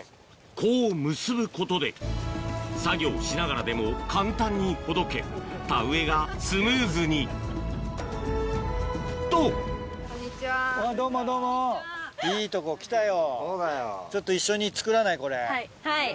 こう結ぶことで作業しながらでも簡単にほどけ田植えがスムーズにとどうもどうもいいとこ来たよ。